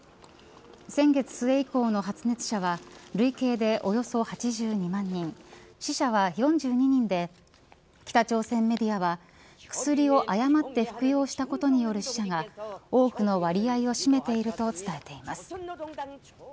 先月末以降の発熱者は累計でおよそ８２万人死者は４２人で北朝鮮メディアは薬を誤って服用したことによる死者が多くの割合を占めていると伝えています。